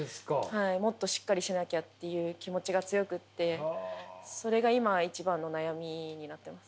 はいもっとしっかりしなきゃっていう気持ちが強くてそれが今は一番の悩みになってます。